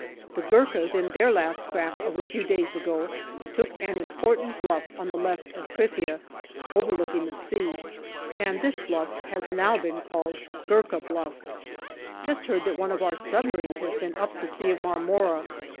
The Gurkhas in their last scrap of a few days ago took an important bluff on the left of Krithia, overlooking the sea, and this bluff has now been called Gurkha Bluff. 96 GALLIPOLI DIARY Just heard that one of our submarines has been up the Sea of Marmora.